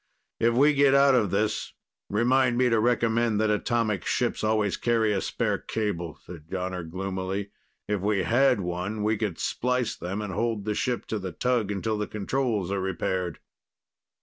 "If we get out of this, remind me to recommend that atomic ships always carry a spare cable," said Jonner gloomily. "If we had one, we could splice them and hold the ship to the tug until the controls are repaired."